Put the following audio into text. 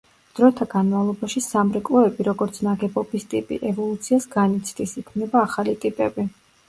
დროთა განმავლობაში სამრეკლოები, როგორც ნაგებობის ტიპი, ევოლუციას განიცდის, იქმნება ახალი ტიპები.